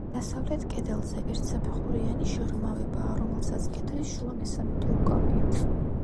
დასავლეთ კედელზე ერთსაფეხურიანი შეღრმავებაა, რომელსაც კედლის შუა მესამედი უკავია.